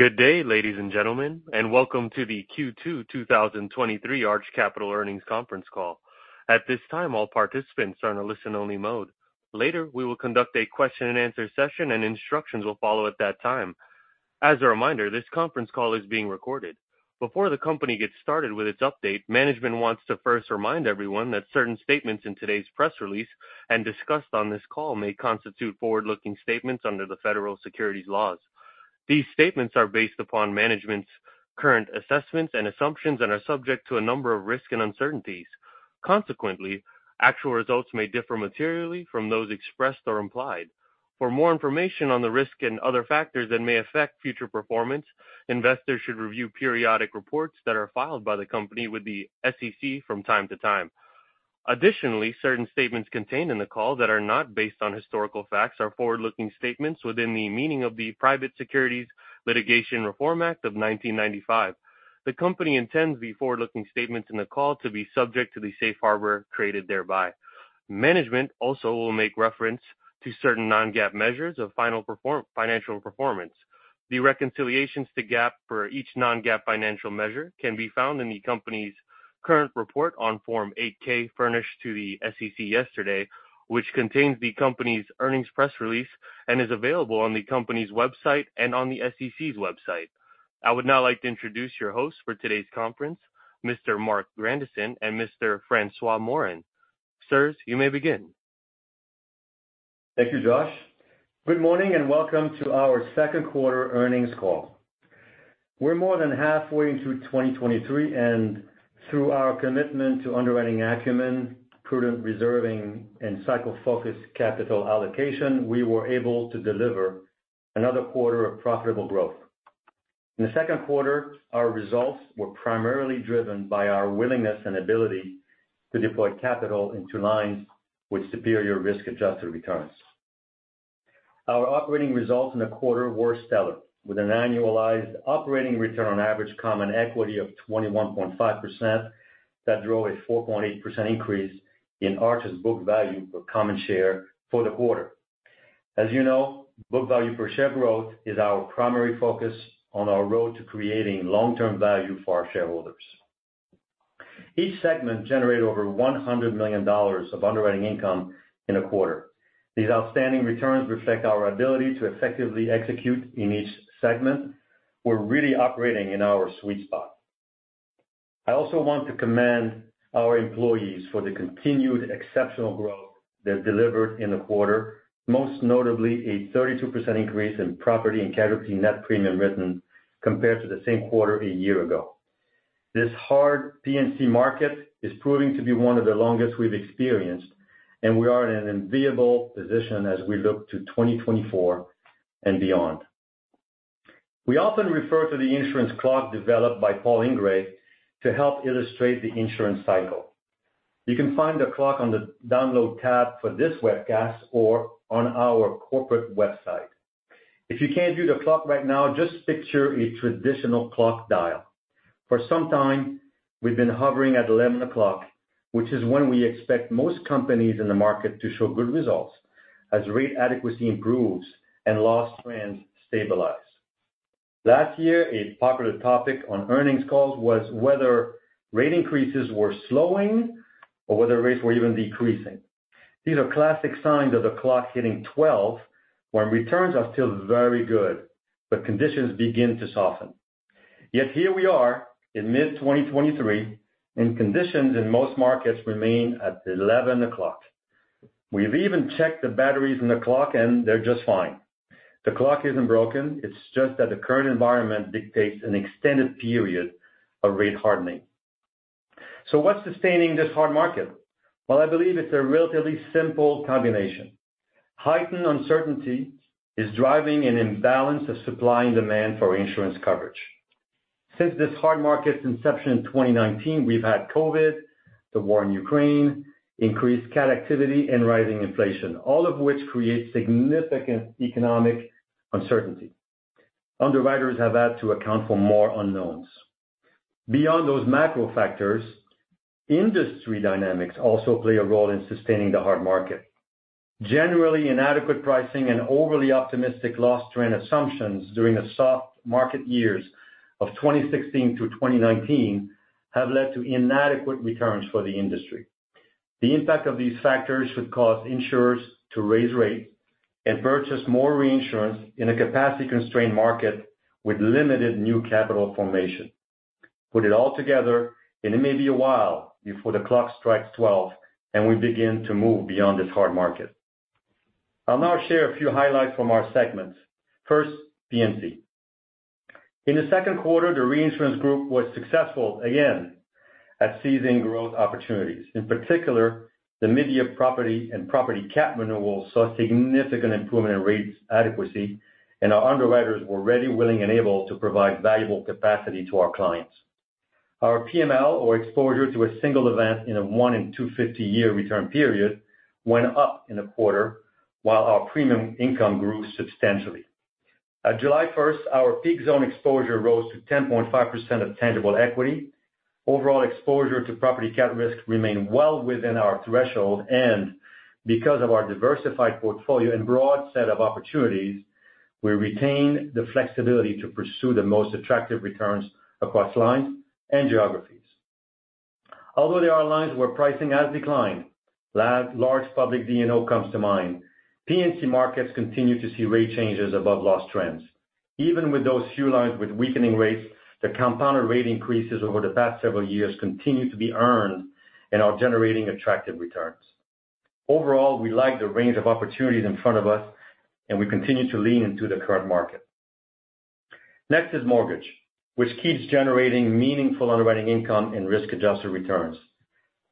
Good day, ladies and gentlemen, and welcome to the Q2 2023 Arch Capital Earnings Conference Call. At this time, all participants are in a listen-only mode. Later, we will conduct a question-and-answer session, and instructions will follow at that time. As a reminder, this conference call is being recorded. Before the company gets started with its update, management wants to first remind everyone that certain statements in today's press release and discussed on this call may constitute forward-looking statements under the federal securities laws. These statements are based upon management's current assessments and assumptions and are subject to a number of risks and uncertainties. Consequently, actual results may differ materially from those expressed or implied. For more information on the risks and other factors that may affect future performance, investors should review periodic reports that are filed by the company with the SEC from time to time. Additionally, certain statements contained in the call that are not based on historical facts are forward-looking statements within the meaning of the Private Securities Litigation Reform Act of 1995. The company intends the forward-looking statements in the call to be subject to the safe harbor created thereby. Management also will make reference to certain non-GAAP measures of financial performance. The reconciliations to GAAP for each non-GAAP financial measure can be found in the company's current report on Form 8-K, furnished to the SEC yesterday, which contains the company's earnings press release and is available on the company's website and on the SEC's website. I would now like to introduce your hosts for today's conference, Mr. Marc Grandisson and Mr. François Morin. Sirs, you may begin. Thank you, Josh. Good morning, and welcome to our Q2 earnings call. We're more than halfway through 2023, and through our commitment to underwriting acumen, prudent reserving, and cycle-focused capital allocation, we were able to deliver another quarter of profitable growth. In the Q2, our results were primarily driven by our willingness and ability to deploy capital into lines with superior risk-adjusted returns. Our operating results in the quarter were stellar, with an annualized operating return on average common equity of 21.5% that drove a 4.8% increase in Arch's book value of common share for the quarter. As you know, book value per share growth is our primary focus on our road to creating long-term value for our shareholders. Each segment generated over $100 million of underwriting income in a quarter. These outstanding returns reflect our ability to effectively execute in each segment. We're really operating in our sweet spot. I also want to commend our employees for the continued exceptional growth they've delivered in the quarter, most notably a 32% increase in property and casualty net premium written compared to the same quarter a year ago. This hard P&C market is proving to be one of the longest we've experienced, and we are in an enviable position as we look to 2024 and beyond. We often refer to the insurance clock developed by Paul Ingrey to help illustrate the insurance cycle. You can find the clock on the Download tab for this webcast or on our corporate website. If you can't view the clock right now, just picture a traditional clock dial. For some time, we've been hovering at 11 o'clock, which is when we expect most companies in the market to show good results as rate adequacy improves and loss trends stabilize. Last year, a popular topic on earnings calls was whether rate increases were slowing or whether rates were even decreasing. These are classic signs of the clock hitting 12, when returns are still very good, but conditions begin to soften. Yet here we are in mid-2023, and conditions in most markets remain at 11 o'clock. We've even checked the batteries in the clock, and they're just fine. The clock isn't broken. It's just that the current environment dictates an extended period of rate hardening. What's sustaining this hard market? Well, I believe it's a relatively simple combination. Heightened uncertainty is driving an imbalance of supply and demand for insurance coverage. Since this hard market's inception in 2019, we've had COVID, the war in Ukraine, increased cat activity, and rising inflation, all of which create significant economic uncertainty. Underwriters have had to account for more unknowns. Beyond those macro factors, industry dynamics also play a role in sustaining the hard market. Generally, inadequate pricing and overly optimistic loss trend assumptions during the soft market years of 2016 to 2019 have led to inadequate returns for the industry. The impact of these factors should cause insurers to raise rates and purchase more reinsurance in a capacity-constrained market with limited new capital formation. Put it all together, and it may be a while before the clock strikes 12 and we begin to move beyond this hard market. I'll now share a few highlights from our segments. First, P&C. In the second quarter, the reinsurance group was successful again at seizing growth opportunities. In particular, the media property and property cat renewals saw significant improvement in rates adequacy, and our underwriters were ready, willing, and able to provide valuable capacity to our clients. Our PML, or exposure to a single event in a 1 in 250-year return period, went up in the quarter, while our premium income grew substantially. On July 1st, our peak zone exposure rose to 10.5% of tangible equity. Overall exposure to property cat risk remain well within our threshold. Because of our diversified portfolio and broad set of opportunities, we retain the flexibility to pursue the most attractive returns across lines and geographies. Although there are lines where pricing has declined, large public D&O comes to mind, P&C markets continue to see rate changes above loss trends. Even with those few lines with weakening rates, the compounded rate increases over the past several years continue to be earned and are generating attractive returns. Overall, we like the range of opportunities in front of us, and we continue to lean into the current market. Next is mortgage, which keeps generating meaningful underwriting income and risk-adjusted returns.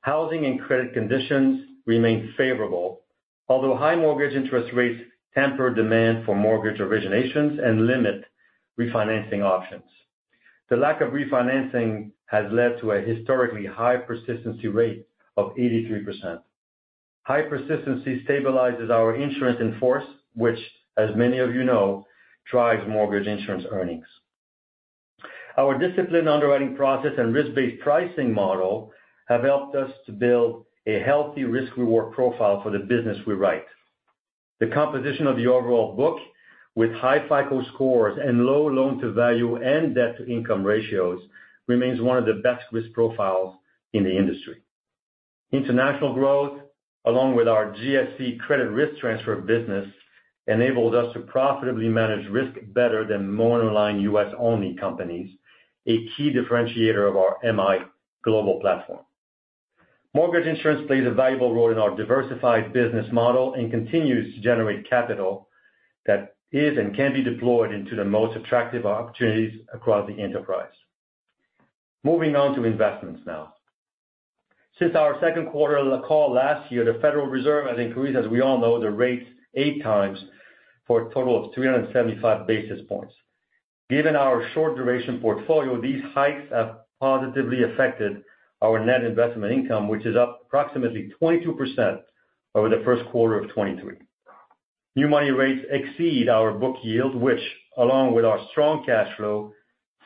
Housing and credit conditions remain favorable, although high mortgage interest rates temper demand for mortgage originations and limit refinancing options. The lack of refinancing has led to a historically high persistency rate of 83%. High persistency stabilizes our insurance in force, which, as many of you know, drives mortgage insurance earnings. Our disciplined underwriting process and risk-based pricing model have helped us to build a healthy risk reward profile for the business we write. The composition of the overall book, with high FICO scores and low loan-to-value and debt-to-income ratios, remains one of the best risk profiles in the industry. International growth, along with our GSE credit risk transfer business, enabled us to profitably manage risk better than monoline US-only companies, a key differentiator of our MI global platform. Mortgage insurance plays a valuable role in our diversified business model and continues to generate capital that is and can be deployed into the most attractive opportunities across the enterprise. Moving on to investments now. Since our Q2 call last year, the Federal Reserve has increased, as we all know, the rates 8 times for a total of 375 basis points. Given our short duration portfolio, these hikes have positively affected our net investment income, which is up approximately 22% over the Q1 of 2023. New money rates exceed our book yield, which, along with our strong cash flow,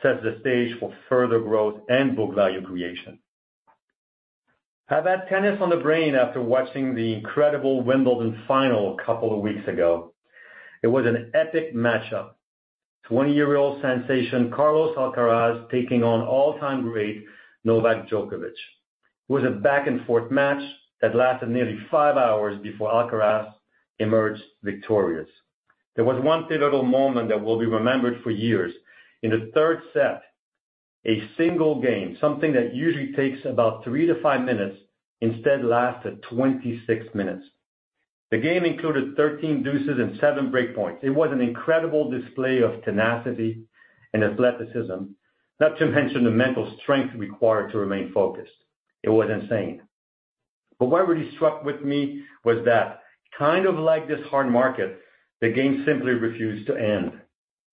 sets the stage for further growth and book value creation. I've had tennis on the brain after watching the incredible Wimbledon final a couple of weeks ago. It was an epic matchup. 20-year-old sensation Carlos Alcaraz taking on all-time great Novak Djokovic. It was a back-and-forth match that lasted nearly 5 hours before Alcaraz emerged victorious. There was 1 pivotal moment that will be remembered for years. In the third set, a 1 game, something that usually takes about 3-5 minutes, instead lasted 26 minutes. The game included 13 deuces and 7 break points. It was an incredible display of tenacity and athleticism, not to mention the mental strength required to remain focused. It was insane. What really struck with me was that kind of like this hard market, the game simply refused to end.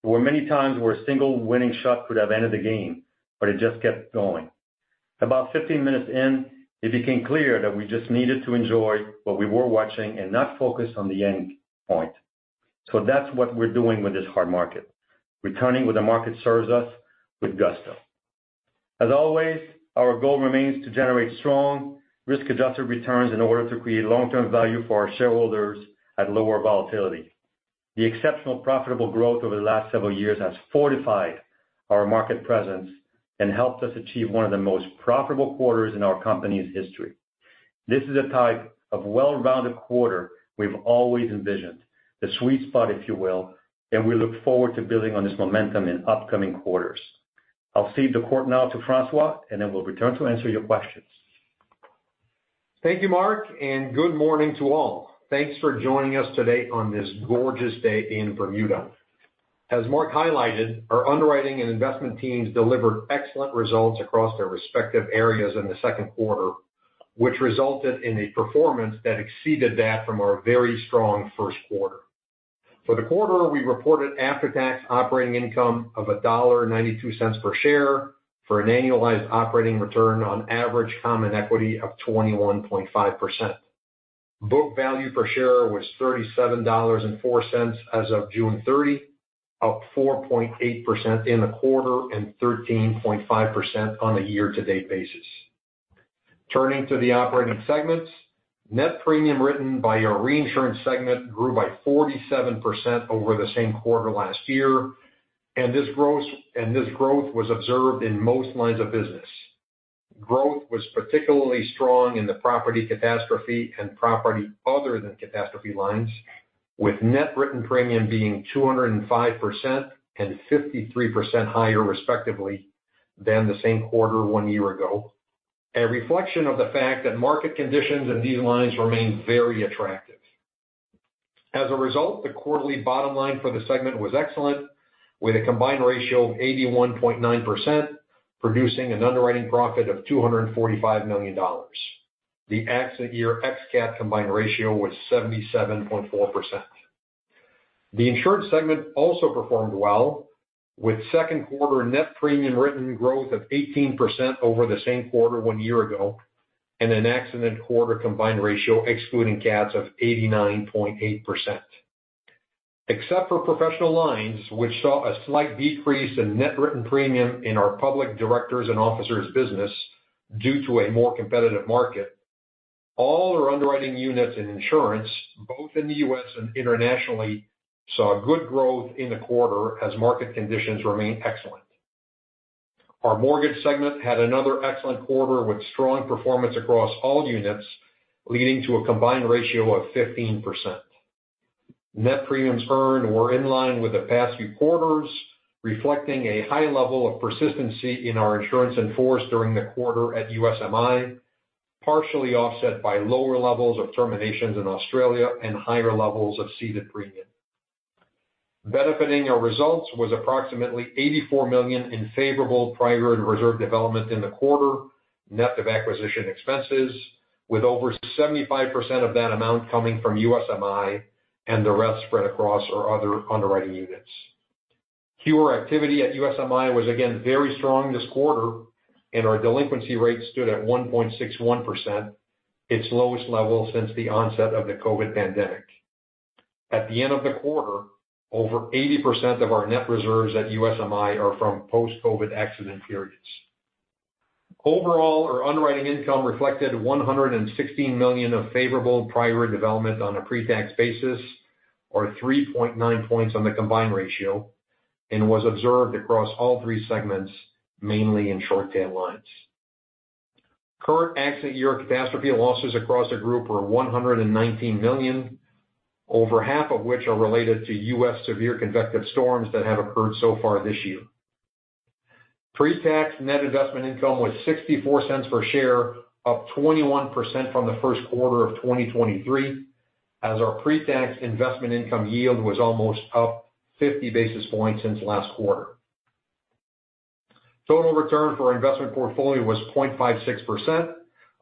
There were many times where a single winning shot could have ended the game, but it just kept going. About 15 minutes in, it became clear that we just needed to enjoy what we were watching and not focus on the end point. That's what we're doing with this hard market, returning what the market serves us with gusto. As always, our goal remains to generate strong risk-adjusted returns in order to create long-term value for our shareholders at lower volatility. The exceptional profitable growth over the last several years has fortified our market presence and helped us achieve one of the most profitable quarters in our company's history. This is a type of well-rounded quarter we've always envisioned, the sweet spot, if you will, and we look forward to building on this momentum in upcoming quarters. I'll cede the court now to François, and then we'll return to answer your questions. Thank you, Marc. Good morning to all. Thanks for joining us today on this gorgeous day in Bermuda. As Marc highlighted, our underwriting and investment teams delivered excellent results across their respective areas in the Q2, which resulted in a performance that exceeded that from our very strong Q1. For the quarter, we reported after-tax operating income of $1.92 per share for an annualized operating return on average common equity of 21.5%. Book value per share was $37.04 as of June 30, up 4.8% in the quarter and 13.5% on a year-to-date basis. Turning to the operating segments, net premium written by our reinsurance segment grew by 47% over the same quarter last year. This growth was observed in most lines of business. Growth was particularly strong in the property catastrophe and property other than catastrophe lines, with net written premium being 205% and 53% higher, respectively, than the same quarter 1 year ago, a reflection of the fact that market conditions in these lines remain very attractive. As a result, the quarterly bottom line for the segment was excellent, with a combined ratio of 81.9%, producing an underwriting profit of $245 million. The accident year ex-cat combined ratio was 77.4%. The insurance segment also performed well, with Q2 net premium written growth of 18% over the same quarter 1 year ago, and an accident quarter combined ratio, excluding cats, of 89.8%. Except for professional lines, which saw a slight decrease in net written premium in our public directors and officers business due to a more competitive market, all our underwriting units in insurance, both in the U.S. and internationally, saw good growth in the quarter as market conditions remained excellent. Our mortgage segment had another excellent quarter, with strong performance across all units, leading to a combined ratio of 15%. Net premiums earned were in line with the past few quarters, reflecting a high level of persistency in our insurance in force during the quarter at USMI, partially offset by lower levels of terminations in Australia and higher levels of ceded premium. Benefiting our results was approximately $84 million in favorable prior year reserve development in the quarter, net of acquisition expenses, with over 75% of that amount coming from USMI and the rest spread across our other underwriting units. Cure activity at USMI was again very strong this quarter, and our delinquency rate stood at 1.61%, its lowest level since the onset of the COVID pandemic. At the end of the quarter, over 80% of our net reserves at USMI are from post-COVID accident periods. Overall, our underwriting income reflected $116 million of favorable prior year development on a pre-tax basis, or 3.9 points on the combined ratio, and was observed across all three segments, mainly in short tail lines. Current accident year catastrophe losses across the group were $119 million, over half of which are related to U.S. severe convective storms that have occurred so far this year. Pre-tax net investment income was $0.64 per share, up 21% from the Q1 of 2023, as our pre-tax investment income yield was almost up 50 basis points since last quarter. Total return for our investment portfolio was 0.56%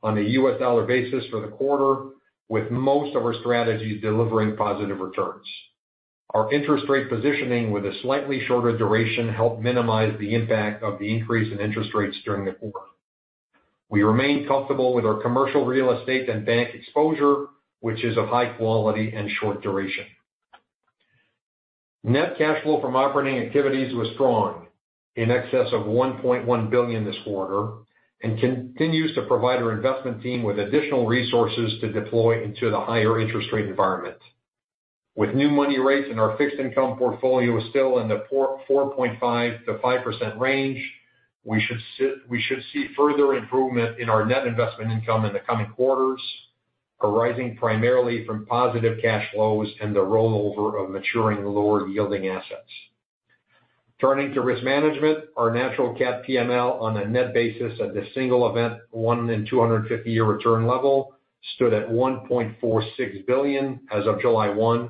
on a U.S. dollar basis for the quarter, with most of our strategies delivering positive returns. Our interest rate positioning with a slightly shorter duration helped minimize the impact of the increase in interest rates during the quarter. We remain comfortable with our commercial real estate and bank exposure, which is of high quality and short duration. Net cash flow from operating activities was strong, in excess of $1.1 billion this quarter, continues to provide our investment team with additional resources to deploy into the higher interest rate environment. With new money rates in our fixed income portfolio still in the 4.5%-5% range, we should see further improvement in our net investment income in the coming quarters, arising primarily from positive cash flows and the rollover of maturing lower yielding assets. Turning to risk management, our natural cat PML on a net basis at the single event 1 in 250-year return level stood at $1.46 billion as of July 1,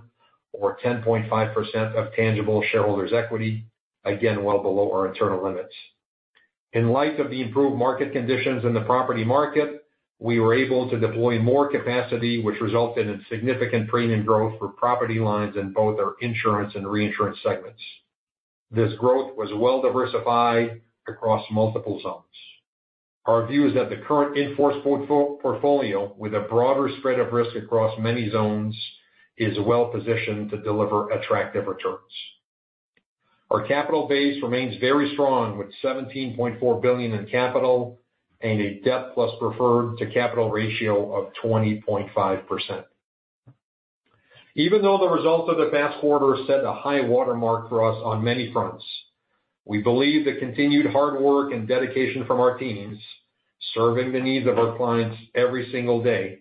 or 10.5% of tangible shareholders' equity, again, well below our internal limits. In light of the improved market conditions in the property market, we were able to deploy more capacity, which resulted in significant premium growth for property lines in both our insurance and reinsurance segments. This growth was well diversified across multiple zones. Our view is that the current in-force portfolio, with a broader spread of risk across many zones, is well positioned to deliver attractive returns. Our capital base remains very strong, with $17.4 billion in capital and a debt plus preferred to capital ratio of 20.5%. Even though the results of the past quarter set a high watermark for us on many fronts, we believe the continued hard work and dedication from our teams, serving the needs of our clients every single day,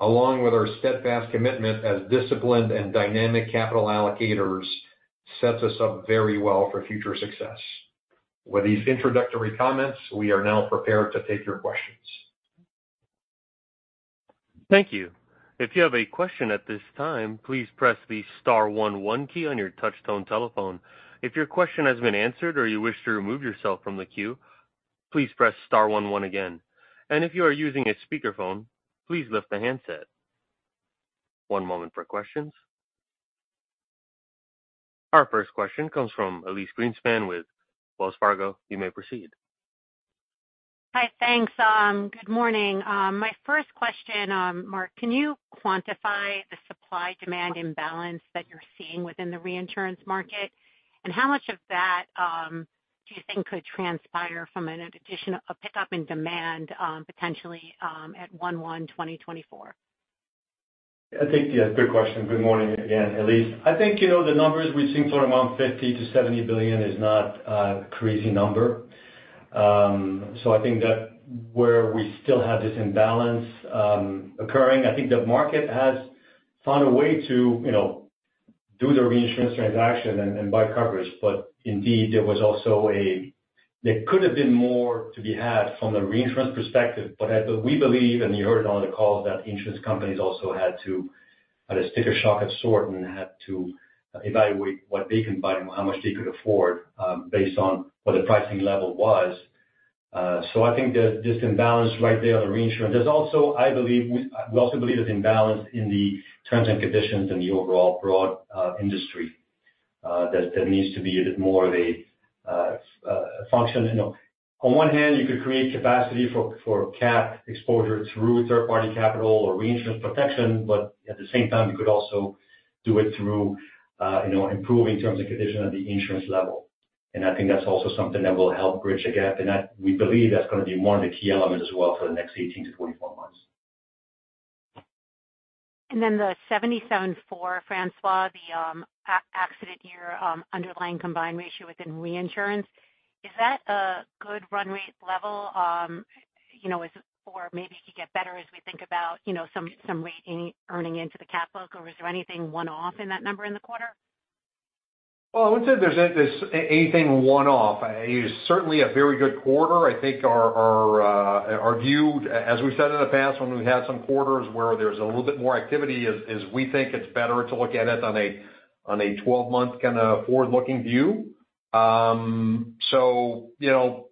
along with our steadfast commitment as disciplined and dynamic capital allocators, sets us up very well for future success. With these introductory comments, we are now prepared to take your questions. Thank you. If you have a question at this time, please press the star one, one key on your touchtone telephone. If your question has been answered or you wish to remove yourself from the queue, please press star one, one again. If you are using a speakerphone, please lift the handset. One moment for questions. Our first question comes from Elyse Greenspan with Wells Fargo. You may proceed. Hi, thanks. Good morning. My first question, Marc, can you quantify the supply-demand imbalance that you're seeing within the reinsurance market? How much of that, do you think could transpire from a pickup in demand, potentially, at 1/1/2024? I think, yeah, good question. Good morning again, Elyse. I think, you know, the numbers we've seen sort of around $50 billion-$70 billion is not a crazy number. I think that where we still have this imbalance occurring, I think the market has found a way to, you know, do the reinsurance transaction and, and buy coverage. Indeed, there could have been more to be had from the reinsurance perspective, but as we believe, and you heard on the call, that insurance companies also had to have a sticker shock of sort and had to evaluate what they can buy and how much they could afford based on what the pricing level was. I think that this imbalance right there on the reinsurance, there's also, I believe, we also believe there's imbalance in the terms and conditions in the overall broad industry. ... that needs to be a bit more of a function. You know, on one hand, you could create capacity for cat exposure through third party capital or reinsurance protection, but at the same time, you could also do it through, you know, improving terms and condition at the insurance level. I think that's also something that will help bridge the gap, and we believe that's gonna be one of the key elements as well, for the next 18-24 months. The 77.4%, Francois, the accident year, underlying combined ratio within reinsurance, is that a good run rate level, you know, is, or maybe it could get better as we think about, you know, some rate earning into the cat book, or is there anything one-off in that number in the quarter? Well, I wouldn't say there's anything one-off. It's certainly a very good quarter. I think our view, as we said in the past, when we've had some quarters where there's a little bit more activity, is we think it's better to look at it on a 12-month kind of forward-looking view. You know,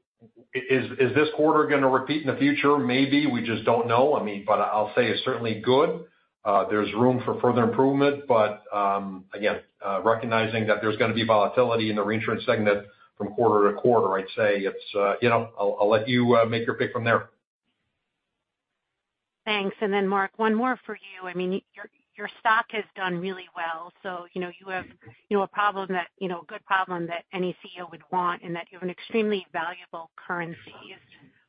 is this quarter gonna repeat in the future? Maybe, we just don't know. I mean, I'll say it's certainly good. There's room for further improvement, again, recognizing that there's gonna be volatility in the reinsurance segment from quarter to quarter, I'd say it's. You know, I'll let you make your pick from there. Thanks. Marc, one more for you. I mean, your stock has done really well, so, you know, you have, you know, a problem that, you know, a good problem that any CEO would want, in that you have an extremely valuable currency.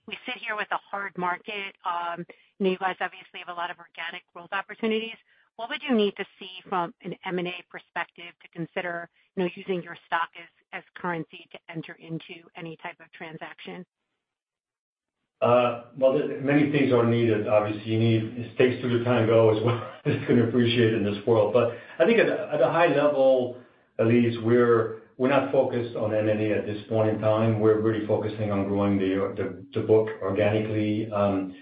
We sit here with a hard market, and you guys obviously have a lot of organic growth opportunities. What would you need to see from an M&A perspective to consider, you know, using your stock as currency to enter into any type of transaction? Well, many things are needed. Obviously, you need stakes through the time go as well, it's gonna appreciate in this world. I think at a, at a high level, Elyse Greenspan, we're not focused on M&A at this point in time. We're really focusing on growing the book organically. You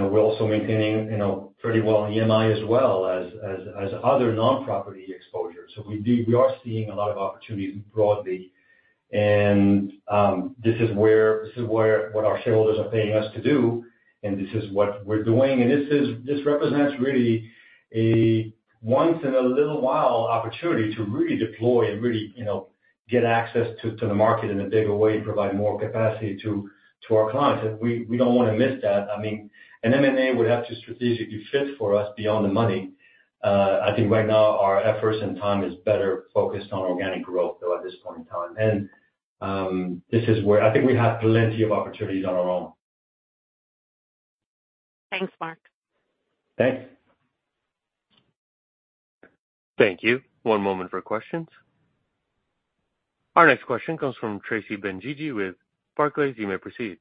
know, we're also maintaining, you know, pretty well in EMI as well as other non-property exposures. We are seeing a lot of opportunities broadly, and this is where, what our shareholders are paying us to do, and this is what we're doing. This represents really a once in a little while opportunity to really deploy and really, you know, get access to the market in a bigger way, provide more capacity to our clients. We don't wanna miss that. I mean, an M&A would have to strategically fit for us beyond the money. I think right now, our efforts and time is better focused on organic growth, though, at this point in time. This is where I think we have plenty of opportunities on our own. Thanks, Marc. Thanks. Thank you. One moment for questions. Our next question comes from Tracy Benguigui with Barclays. You may proceed.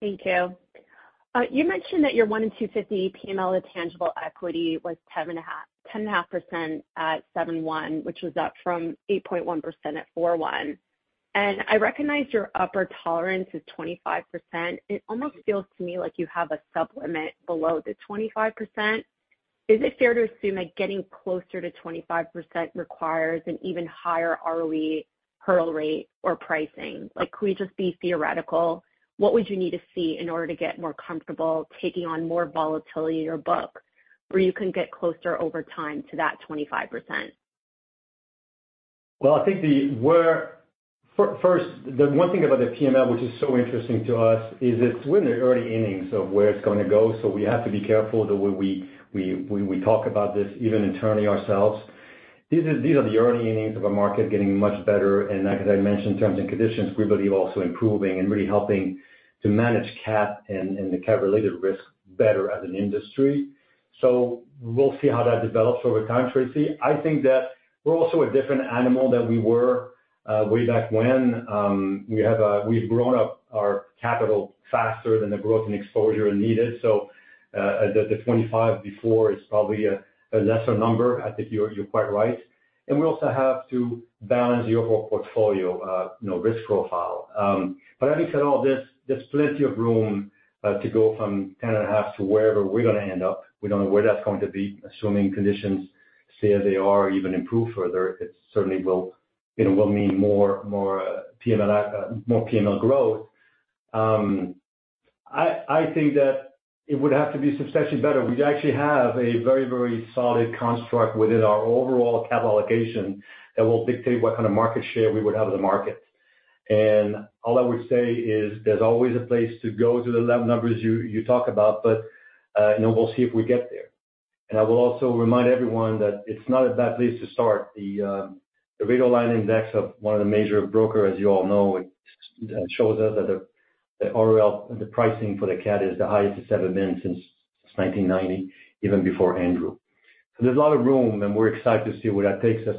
Thank you. You mentioned that your 1-in-250 PML tangible equity was 10.5% at 7/1, which was up from 8.1% at 4/1. I recognize your upper tolerance is 25%, it almost feels to me like you have a supplement below the 25%. Is it fair to assume that getting closer to 25% requires an even higher ROE hurdle rate or pricing? Like, could we just be theoretical, what would you need to see in order to get more comfortable taking on more volatility in your book, where you can get closer over time to that 25%? Well, I think first, the one thing about the PML which is so interesting to us, is it's we're in the early innings of where it's going to go, we have to be careful the way we talk about this, even internally ourselves. These are the early innings of a market getting much better, like as I mentioned, in terms and conditions, we believe also improving and really helping to manage cat and the cat-related risk better as an industry. We'll see how that develops over time, Tracy. I think that we're also a different animal than we were way back when. We have, we've grown up our capital faster than the growth in exposure needed, the 25 before is probably a lesser number. I think you're quite right. We also have to balance your whole portfolio, you know, risk profile. I think that all there's plenty of room to go from 10.5 to wherever we're gonna end up. We don't know where that's going to be, assuming conditions stay as they are or even improve further, it certainly will, you know, will mean more PML, more PML growth. I think that it would have to be substantially better. We actually have a very, very solid construct within our overall capital allocation, that will dictate what kind of market share we would have in the market. All I would say is, there's always a place to go to the numbers you talk about, but, you know, we'll see if we get there. I will also remind everyone that it's not a bad place to start. The rate on line index of one of the major brokers, as you all know, it shows us that the ROL and the pricing for the cat is the highest it's ever been since 1990, even before Andrew. There's a lot of room, and we're excited to see where that takes us.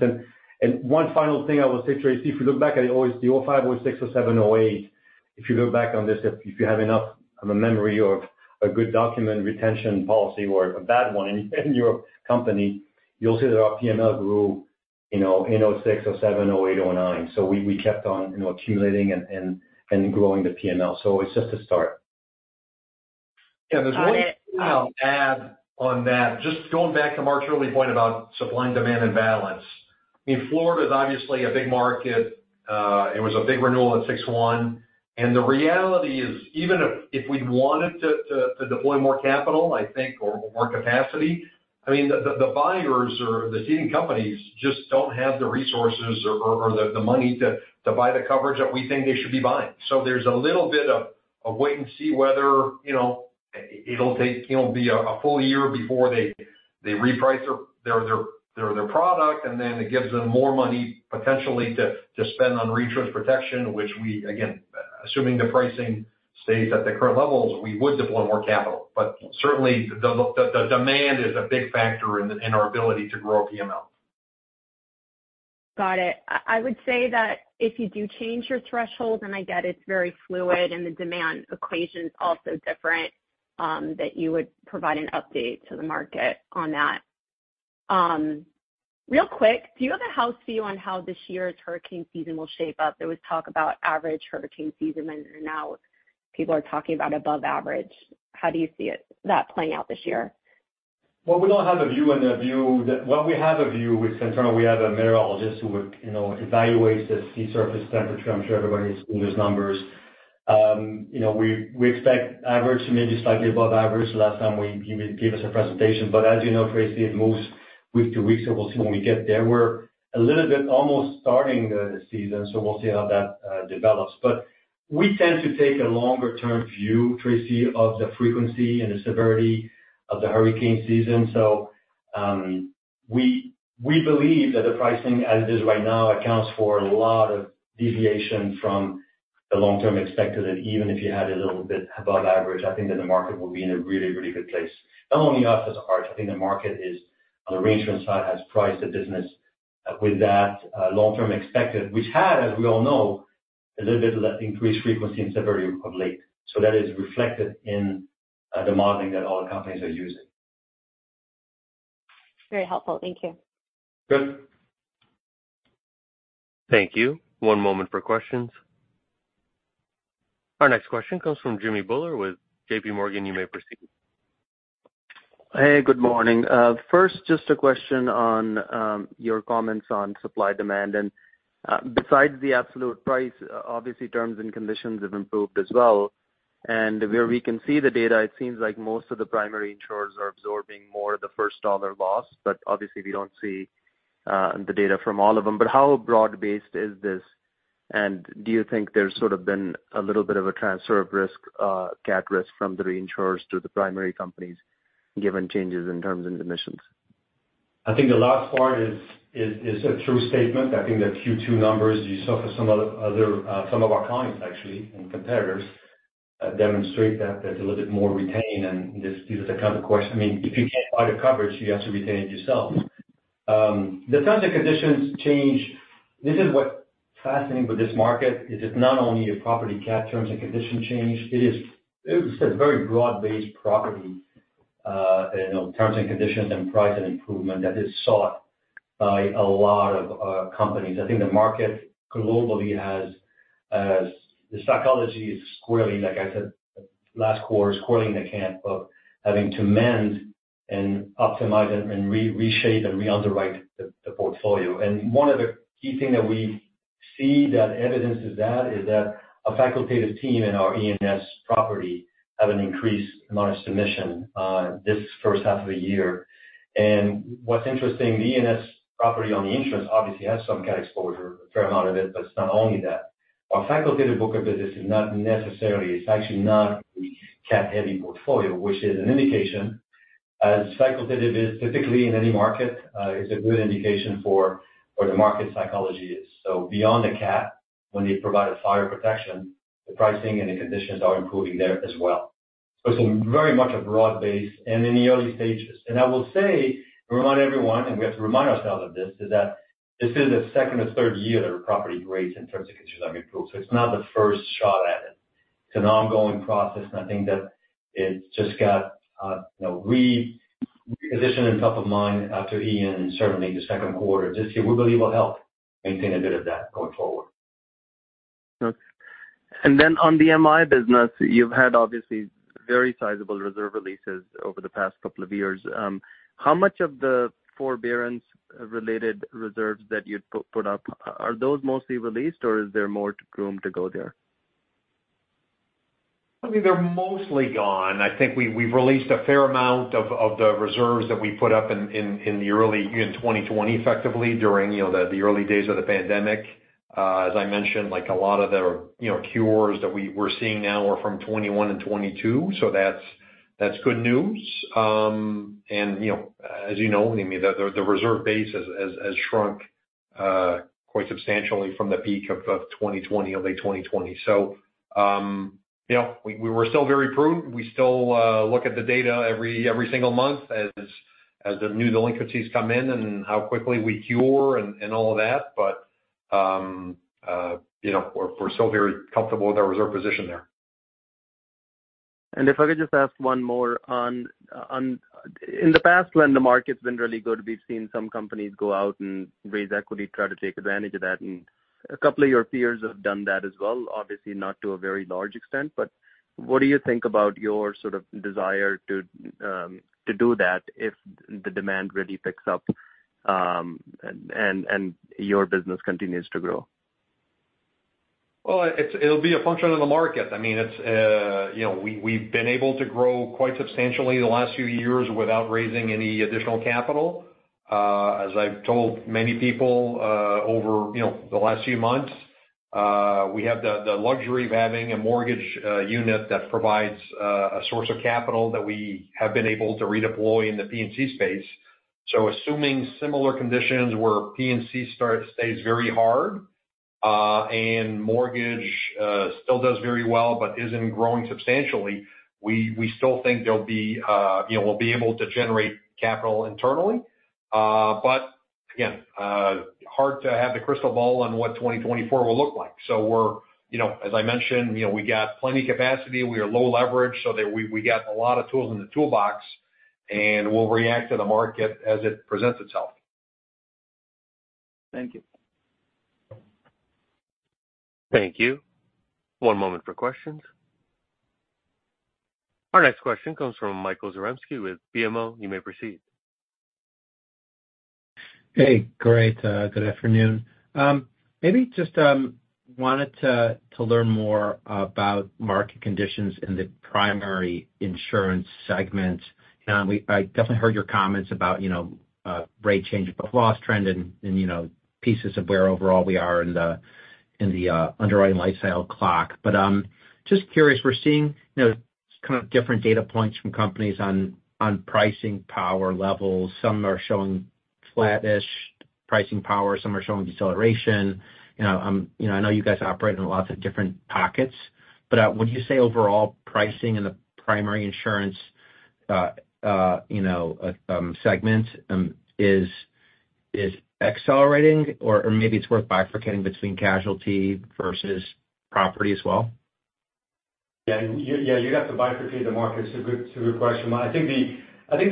One final thing I will say, Tracy, if you look back at the 2005, 2006, 2007, 2008, if you go back on this, if you have enough of a memory or a good document retention policy or a bad one in your company, you'll see that our PML grew, you know, in 2006, 2007, 2008, 2009. We kept on, you know, accumulating and growing the PML, so it's just a start. Yeah, there's one thing I'll add on that. Just going back to Marc's earlier point about supply and demand and balance. I mean, Florida is obviously a big market. It was a big renewal at 6/1. The reality is, even if we wanted to deploy more capital, I think, or more capacity, I mean, the buyers or the ceding companies just don't have the resources or the money to buy the coverage that we think they should be buying. There's a little bit of wait and see whether, you know, it'll take, you know, be a full year before they reprice their product, and then it gives them more money potentially to spend on reinsurance protection, which we, again, assuming the pricing stays at the current levels, we would deploy more capital. Certainly, the demand is a big factor in our ability to grow PML. Got it. I would say that if you do change your threshold, and I get it's very fluid, and the demand equation's also different, that you would provide an update to the market on that. Real quick, do you have a house view on how this year's hurricane season will shape up? There was talk about average hurricane season, and now people are talking about above average. How do you see that playing out this year? Well, we have a view. With Santara, we have a meteorologist who would, you know, evaluates the sea surface temperature. I'm sure everybody's seen those numbers. You know, we expect average to maybe slightly above average, the last time he gave us a presentation. As you know, Tracy, it moves week to week, so we'll see when we get there. We're a little bit almost starting the season, so we'll see how that develops. We tend to take a longer term view, Tracy, of the frequency and the severity of the hurricane season. We believe that the pricing, as it is right now, accounts for a lot of deviation from the long-term expected. Even if you had a little bit above average, I think that the market will be in a really, really good place. Not only us as Arch, I think the market is, on the reinsurance side, has priced the business, with that, long-term expected, which had, as we all know, a little bit of that increased frequency and severity of late. That is reflected in the modeling that all the companies are using. Very helpful. Thank you. Good. Thank you. One moment for questions. Our next question comes from Jimmy Bhullar with J.P. Morgan. You may proceed. Hey, good morning. First, just a question on your comments on supply-demand. Besides the absolute price, obviously, terms and conditions have improved as well. Where we can see the data, it seems like most of the primary insurers are absorbing more of the first dollar loss, but obviously, we don't see the data from all of them. How broad-based is this? Do you think there's sort of been a little bit of a transfer of risk, cat risk from the reinsurers to the primary companies, given changes in terms and conditions? I think the last part is a true statement. I think the Q2 numbers you saw for some other, some of our clients, actually, and competitors, demonstrate that there's a little bit more retained, and this is the kind of question. I mean, if you can't buy the coverage, you have to retain it yourself. The terms and conditions change. This is what's fascinating with this market, is it's not only a property cat terms and condition change, it's a very broad-based property, you know, terms and conditions and price and improvement that is sought by a lot of companies. I think the market globally has the psychology is squarely, like I said, last quarter, squarely in the camp of having to mend and optimize and reshape and re-underwrite the portfolio. One of the key thing that we see that evidences that, is that a facultative team in our E&S property have an increased amount of submission this first half of the year. What's interesting, the E&S property on the insurance obviously has some cat exposure, a fair amount of it, but it's not only that. Our facultative book of business is actually not cat-heavy portfolio, which is an indication, as facultative is typically in any market, is a good indication for where the market psychology is. Beyond the cat, when they provide a fire protection, the pricing and the conditions are improving there as well. It's very much a broad base and in the early stages. I will say, remind everyone, and we have to remind ourselves of this, is that this is the second or third year that our property rates and terms and conditions have improved. It's not the first shot at it. It's an ongoing process, and I think that it's just got, you know, repositioned in top of mind after Ian, and certainly the Q2 this year, we believe will help maintain a bit of that going forward. Okay. Then on the MI business, you've had obviously very sizable reserve releases over the past couple of years. How much of the forbearance-related reserves that you'd put up, are those mostly released, or is there more room to go there? I mean, they're mostly gone. I think we've released a fair amount of the reserves that we put up in the early in 2020, effectively, during, you know, the early days of the pandemic. As I mentioned, like, a lot of the, you know, cures that we're seeing now are from 2021 and 2022, that's good news. You know, as you know, I mean, the reserve base has shrunk quite substantially from the peak of 2020, early 2020. You know, we were still very prudent. We still look at the data every single month as the new delinquencies come in and how quickly we cure and all of that, you know, we're still very comfortable with our reserve position there. If I could just ask one more. In the past, when the market's been really good, we've seen some companies go out and raise equity, try to take advantage of that, and a couple of your peers have done that as well, obviously not to a very large extent. What do you think about your sort of desire to do that if the demand really picks up?... and your business continues to grow? Well, it'll be a function of the market. I mean, it's, you know, we've been able to grow quite substantially in the last few years without raising any additional capital. As I've told many people, over, you know, the last few months, we have the luxury of having a mortgage unit that provides a source of capital that we have been able to redeploy in the P&C space. Assuming similar conditions where P&C stays very hard, and mortgage still does very well but isn't growing substantially, we still think there'll be, you know, we'll be able to generate capital internally. Again, hard to have the crystal ball on what 2024 will look like. We're, you know, as I mentioned, you know, we got plenty capacity, we are low leverage, so that we got a lot of tools in the toolbox, and we'll react to the market as it presents itself. Thank you. Thank you. One moment for questions. Our next question comes from Michael Zaremski with BMO. You may proceed. Hey, great. good afternoon. maybe just wanted to learn more about market conditions in the primary insurance segment. I definitely heard your comments about, you know, rate change, but loss trend and, you know, pieces of where overall we are in the, in the underwriting lifestyle clock. Just curious, we're seeing, you know, kind of different data points from companies on pricing power levels. Some are showing flattish pricing power, some are showing deceleration. You know, you know, I know you guys operate in lots of different pockets, but would you say overall pricing in the primary insurance, you know, segment, is accelerating or maybe it's worth bifurcating between casualty versus property as well? Yeah, you'd have to bifurcate the markets. It's a good question. I think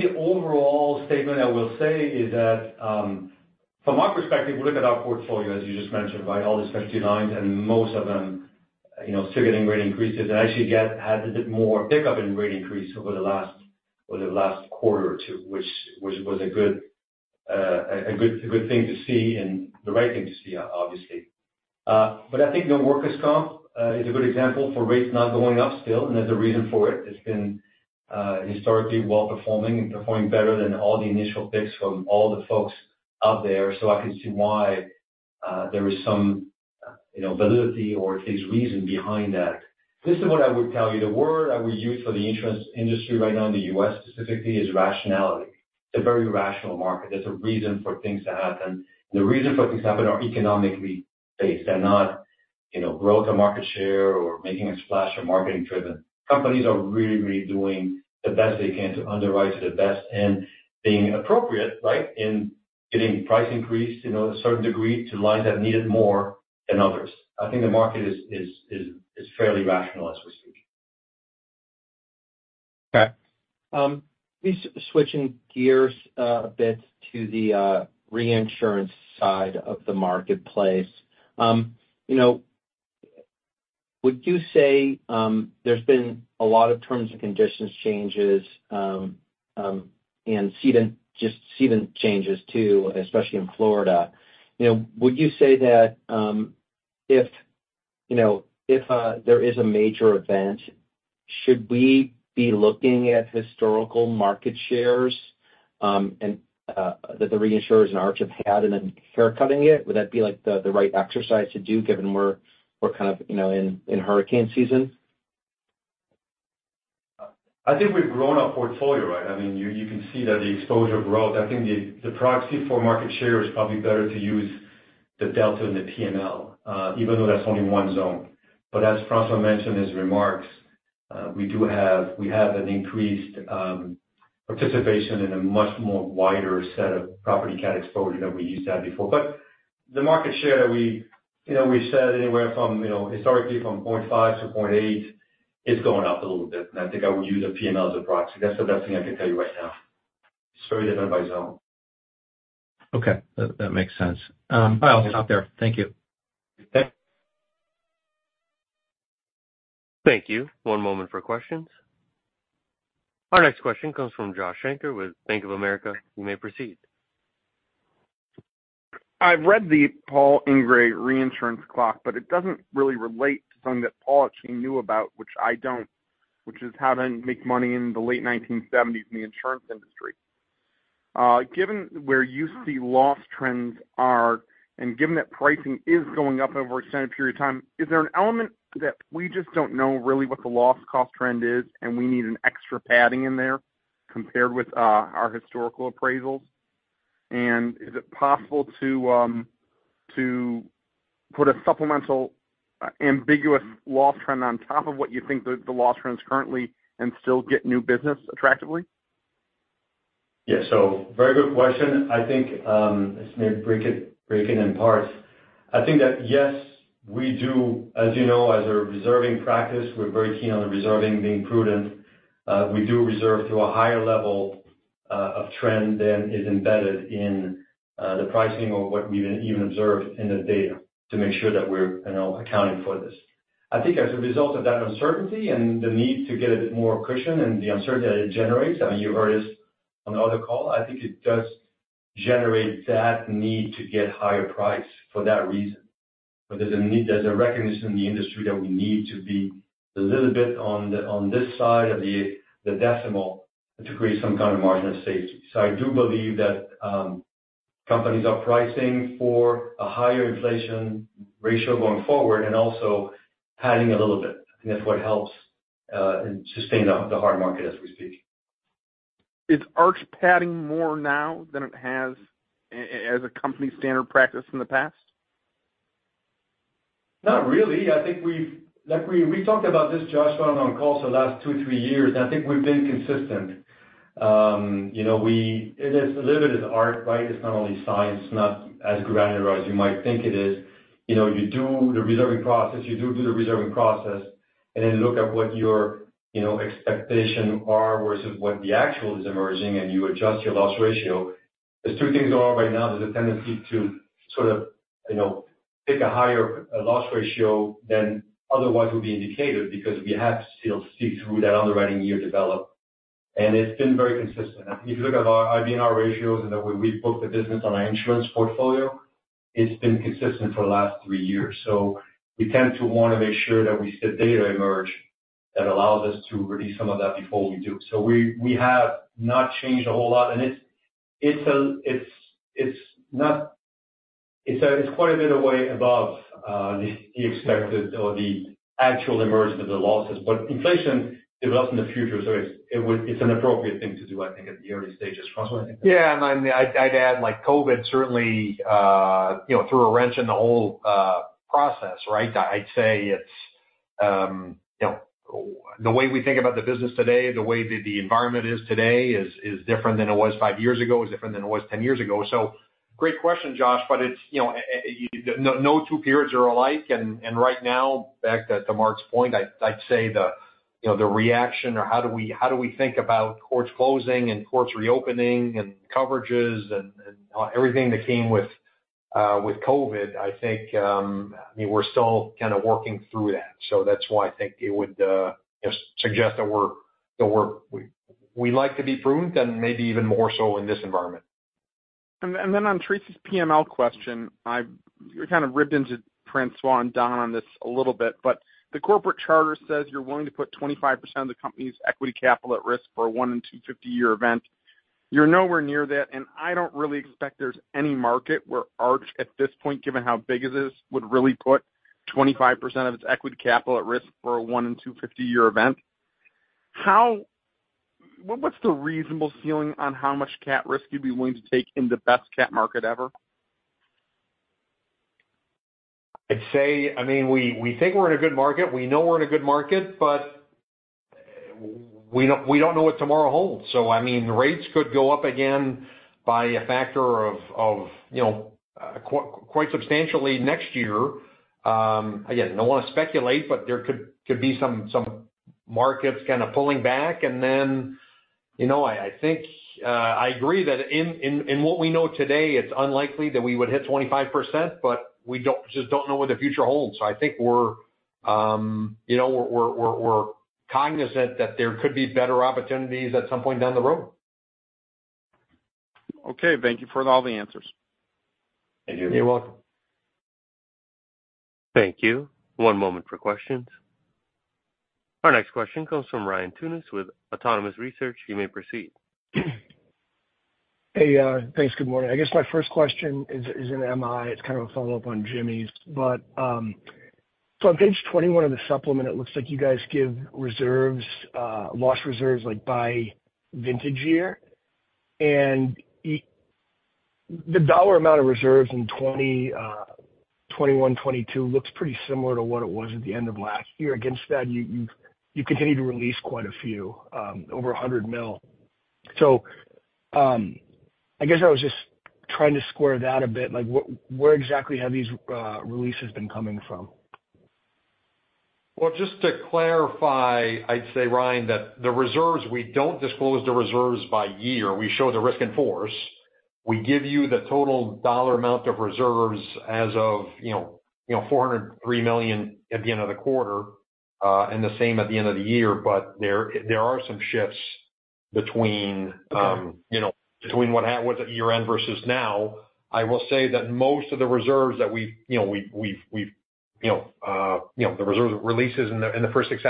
the overall statement I will say is that, from our perspective, we look at our portfolio, as you just mentioned, right, all the specialty lines, and most of them, you know, still getting rate increases and actually had a bit more pickup in rate increase over the last, over the last quarter or two, which was a good, a good thing to see and the right thing to see, obviously. I think the workers' comp is a good example for rates not going up still, and there's a reason for it. It's been historically well performing and performing better than all the initial picks from all the folks out there. I can see why, there is some, you know, validity or at least reason behind that. This is what I would tell you, the word I would use for the insurance industry right now in the US specifically is rationality. It's a very rational market. There's a reason for things to happen. The reason for things to happen are economically based. They're not, you know, growth or market share or making a splash or marketing driven. Companies are really doing the best they can to underwrite to the best and being appropriate, right, in getting price increase, you know, a certain degree, to lines that need it more than others. I think the market is fairly rational as we speak. Okay. Just switching gears a bit to the reinsurance side of the marketplace. You know, would you say there's been a lot of terms and conditions changes and cedant changes too, especially in Florida. You know, would you say that if, you know, if there is a major event, should we be looking at historical market shares and that the reinsurers and Arch have had and then hair cutting it? Would that be, like, the right exercise to do, given we're kind of, you know, in hurricane season? I think we've grown our portfolio, right? I mean, you can see that the exposure growth. I think the proxy for market share is probably better to use the delta and the P&L, even though that's only one zone. As François mentioned in his remarks, we have an increased participation in a much more wider set of property cat exposure than we used to have before. The market share that we, you know, we said anywhere from, you know, historically from 0.5-0.8, it's going up a little bit, and I think I would use a P&L as a proxy. That's the best thing I can tell you right now. It's really done by zone. Okay, that, that makes sense. I'll stop there. Thank you. Okay. Thank you. One moment for questions. Our next question comes from Josh Shanker with Bank of America. You may proceed. I've read the Paul Ingrey reinsurance clock, but it doesn't really relate to something that Paul actually knew about, which I don't, which is how to make money in the late 1970s in the insurance industry. Given where you see loss trends are, and given that pricing is going up over an extended period of time, is there an element that we just don't know really what the loss cost trend is, and we need an extra padding in there compared with our historical appraisals? Is it possible to put a supplemental ambiguous loss trend on top of what you think the loss trend is currently and still get new business attractively? Very good question. I think, let's maybe break it in parts. I think that, yes, we do. As you know, as a reserving practice, we're very keen on the reserving being prudent. We do reserve to a higher level of trend than is embedded in the pricing or what we've even observed in the data to make sure that we're, you know, accounting for this. I think as a result of that uncertainty and the need to get a bit more cushion and the uncertainty that it generates, I mean, you heard us on the other call, I think it does generate that need to get higher price for that reason. There's a need, there's a recognition in the industry that we need to be a little bit on the, on this side of the, the decimal to create some kind of margin of safety. I do believe that companies are pricing for a higher inflation ratio going forward and also padding a little bit. I think that's what helps and sustain the, the hard market as we speak. Is Arch padding more now than it has as a company standard practice in the past? Not really. I think like we talked about this, Josh, when I'm on call, the last two, three years, and I think we've been consistent. You know, it is a little bit of art, right? It's not only science, it's not as granular as you might think it is. You know, you do the reserving process, you do the reserving process, look at what your, you know, expectation are versus what the actual is emerging, you adjust your loss ratio. There's two things going on right now. There's a tendency to sort of, you know, pick a higher loss ratio than otherwise would be indicated, because we have to still see through that underwriting year develop. It's been very consistent. If you look at our IBNR ratios and the way we book the business on our insurance portfolio, it's been consistent for the last three years. We tend to want to make sure that we see data emerge that allows us to release some of that before we do. We have not changed a whole lot, and it's quite a bit away above the expected or the actual emergence of the losses. Inflation develops in the future, so it's an appropriate thing to do, I think, at the early stages. François? Yeah, I'd add, like, COVID certainly, you know, threw a wrench in the whole process, right? I'd say it's, you know, the way we think about the business today, the way the environment is today is different than it was five years ago, is different than it was 10 years ago. Great question, Josh, but it's, you know, no two periods are alike. Right now, back to Marc's point, I'd say the, you know, the reaction or how do we think about courts closing and courts reopening and coverages and everything that came with COVID, I think, I mean, we're still kind of working through that. That's why I think it would just suggest we like to be prudent and maybe even more so in this environment. On Tracey's PML question, you kind of ribbed into François and Don on this a little bit, but the corporate charter says you're willing to put 25% of the company's equity capital at risk for a 1 in 250-year event. You're nowhere near that, and I don't really expect there's any market where Arch, at this point, given how big this is, would really put 25% of its equity capital at risk for a 1 in 250-year event. What's the reasonable ceiling on how much cat risk you'd be willing to take in the best cat market ever? I'd say, I mean, we think we're in a good market. We know we're in a good market, but we don't know what tomorrow holds. I mean, rates could go up again by a factor of, you know, quite substantially next year. Again, I don't want to speculate, but there could be some markets kind of pulling back. You know, I think I agree that in what we know today, it's unlikely that we would hit 25%, but we just don't know what the future holds. I think we're, you know, we're cognizant that there could be better opportunities at some point down the road. Okay. Thank you for all the answers. Thank you. You're welcome. Thank you. One moment for questions. Our next question comes from Ryan Tunis with Autonomous Research. You may proceed. Hey, thanks. Good morning. I guess my first question is, is in MI. It's kind of a follow-up on Jimmy's, but, so on page 21 of the supplement, it looks like you guys give reserves, loss reserves, like, by vintage year. And the dollar amount of reserves in 2021, 2022 looks pretty similar to what it was at the end of last year. Against that, you've, you continued to release quite a few, over $100 mil. I guess I was just trying to square that a bit. Like, where exactly have these releases been coming from? Just to clarify, I'd say, Ryan, that the reserves, we don't disclose the reserves by year. We show the risk in force. We give you the total dollar amount of reserves as of, you know, you know, $403 million at the end of the quarter, and the same at the end of the year. There, there are some shifts between, you know, between what was at year end versus now. I will say that most of the reserves that we've, you know, you know, the reserves releases in the first six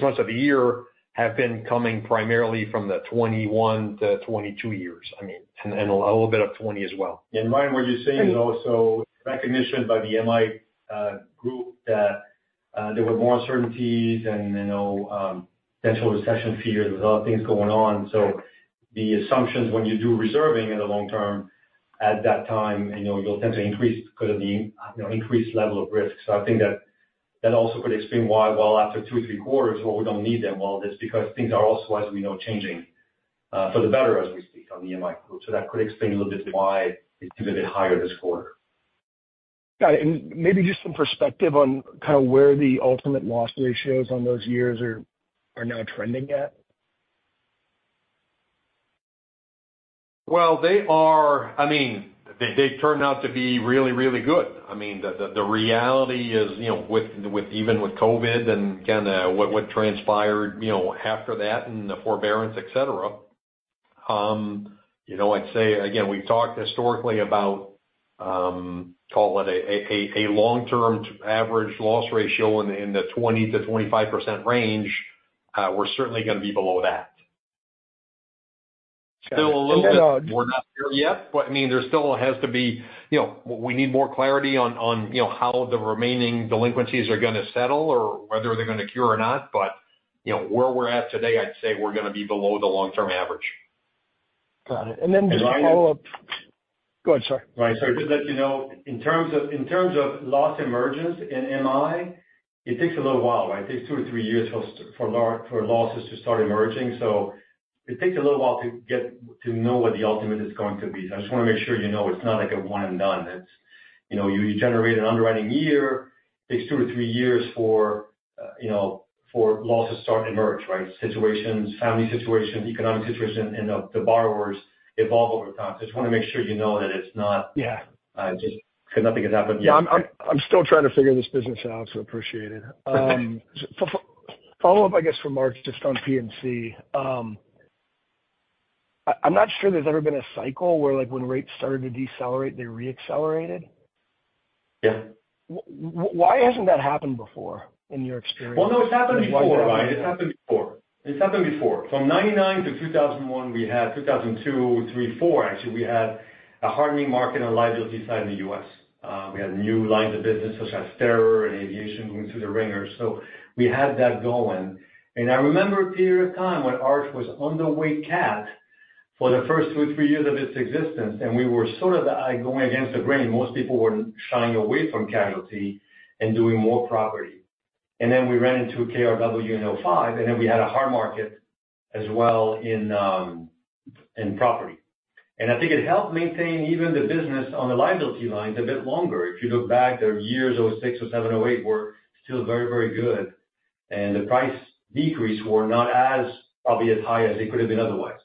months of the year, have been coming primarily from the 2021-2022 years. I mean, and a little bit of 2020 as well. Ryan, what you're seeing is also recognition by the MI group, that there were more uncertainties and, you know, potential recession fears. There's a lot of things going on. The assumptions when you do reserving in the long term at that time, you know, you'll tend to increase because of the, you know, increased level of risk. I think that also could explain why, while after two, three quarters, well, we don't need them all, it's because things are also, as we know, changing for the better as we speak on the MI group. That could explain a little bit why it's a bit higher this quarter. Got it. Maybe just some perspective on kind of where the ultimate loss ratios on those years are now trending at? Well, they are, I mean, they turned out to be really, really good. I mean, the reality is, you know, with even with COVID and kind of what transpired, you know, after that and the forbearance, et cetera, you know, I'd say again, we've talked historically about a long-term average loss ratio in the 20%-25% range. We're certainly gonna be below that. Still a little bit, we're not there yet, but, I mean, there still has to be, you know, we need more clarity on, you know, how the remaining delinquencies are gonna settle or whether they're gonna cure or not. Where we're at today, I'd say we're gonna be below the long-term average. Got it. Just a follow-up. Go ahead, sorry. Right. Just to let you know, in terms of loss emergence in MI, it takes a little while, right? It takes 2 or 3 years for losses to start emerging. It takes a little while to get to know what the ultimate is going to be. I just wanna make sure, you know, it's not like a one and done. It's, you know, you generate an underwriting year, takes 2 or 3 years for, you know, for losses to start to emerge, right? Situations, family situations, economic situations, and the borrowers evolve over time. Just wanna make sure you know that it's not. Yeah. Just because nothing has happened yet. Yeah, I'm still trying to figure this business out, so appreciate it. Follow up, I guess, for Marc, just on P&C. I'm not sure there's ever been a cycle where like, when rates started to decelerate, they re-accelerated? Yeah. Why hasn't that happened before, in your experience? Well, no, it's happened before, Ryan. It's happened before. It's happened before. From 1999 to 2001, we had 2002, 2003, 2004, actually, we had a hardening market on the liability side in the U.S. We had new lines of business, such as terror and aviation, going through the wringer. We had that going. I remember a period of time when Arch was on the way cat for the first 2, 3 years of its existence, and we were sort of the eye going against the grain. Most people were shying away from casualty and doing more property. Then we ran into KRW in 2005, and then we had a hard market as well in property. I think it helped maintain even the business on the liability lines a bit longer. If you look back, the years, 2006, 2007, 2008, were still very, very good, and the price decrees were not as probably as high as they could have been otherwise.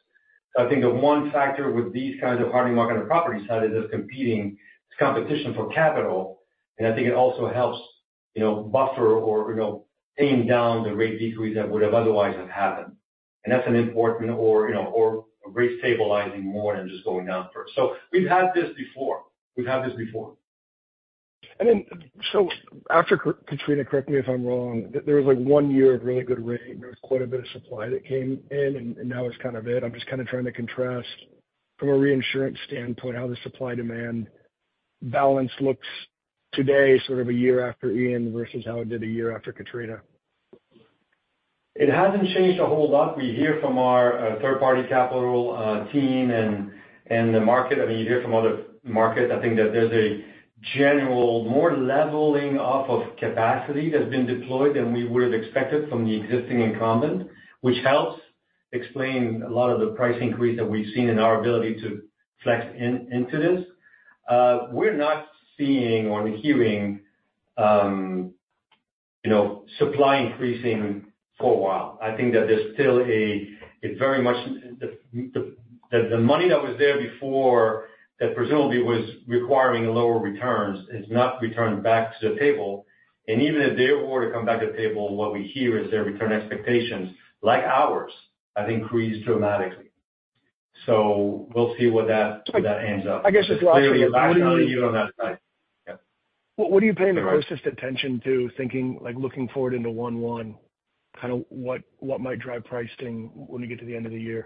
I think the one factor with these kinds of hardening market on the property side is just competing, it's competition for capital, and I think it also helps, you know, buffer or, you know, tame down the rate decrease that would have otherwise have happened. That's an important or, you know, or rate stabilizing more than just going down first. We've had this before. After Katrina, correct me if I'm wrong, there was, like, one year of really good rate, and there was quite a bit of supply that came in, and that was kind of it. I'm just kind of trying to contrast from a reinsurance standpoint, how the supply-demand balance looks today, sort of a year after Ian, versus how it did a year after Katrina. It hasn't changed a whole lot. We hear from our third-party capital team and the market. I mean, you hear from other markets. I think that there's a general more leveling off of capacity that's been deployed than we would have expected from the existing incumbent, which helps explain a lot of the price increase that we've seen in our ability to flex into this. We're not seeing or hearing, you know, supply increasing for a while. I think that there's still a very much the money that was there before, that presumably was requiring lower returns, has not returned back to the table. Even if they were to come back to the table, what we hear is their return expectations, like ours, have increased dramatically. We'll see where that, where that ends up. I guess just lastly, what are you- Yeah. What are you paying the closest attention to thinking, like, looking forward into 1/1, kind of what might drive pricing when we get to the end of the year?